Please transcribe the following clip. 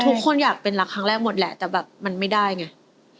ทุกคนอยากเป็นรักครั้งแรกหมดแหละแต่แบบมันไม่ได้ไง